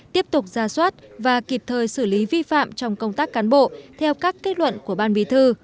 tiếp tục ra soát và kịp thời xử lý vi phạm trong công tác cán bộ theo các kết luận của ban bí thư